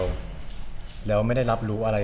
ก็คือทำไมผมถึงไปยื่นคำร้องต่อสารเนี่ย